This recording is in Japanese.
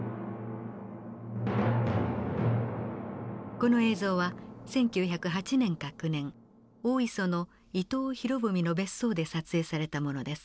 この映像は１９０８年か９年大磯の伊藤博文の別荘で撮影されたものです。